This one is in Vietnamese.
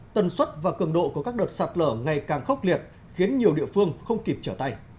tần suất và cường độ của các đợt sạt lở ngày càng khốc liệt khiến nhiều địa phương không kịp trở tay